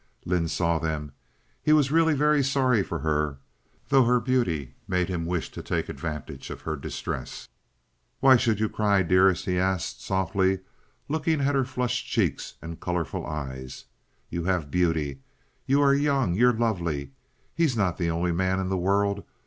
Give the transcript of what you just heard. Lynde saw them. He was really very sorry for her, though her beauty made him wish to take advantage of her distress. "Why should you cry, dearest?" he asked, softly, looking at her flushed cheeks and colorful eyes. "You have beauty; you are young; you're lovely. He's not the only man in the world.